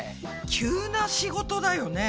急な仕事だよね。